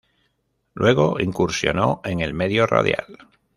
Luego, incursionó en el medio radial.